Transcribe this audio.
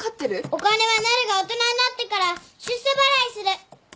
お金はなるが大人になってから出世払いする。